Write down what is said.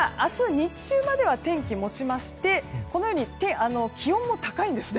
日中までは天気は持ちまして気温も高いんですね。